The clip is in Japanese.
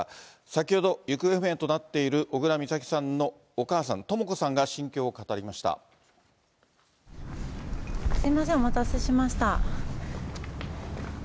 先ほど、行方不明となっている小倉美咲さんのお母さん、すみません、お待たせしました。